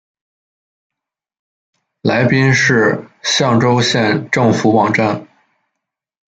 来宾市象州县政府网站